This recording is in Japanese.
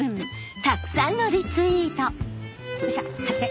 よっしゃ貼って。